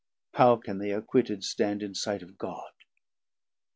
how can they acquitted stand In sight of God?